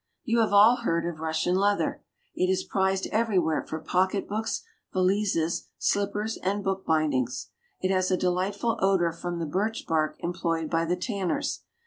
You have all heard of Russian leather. It is prized everywhere for pocketbooks, valises, slippers, and book bindings. It has a delightful odor from the birch bark employed by the tanners.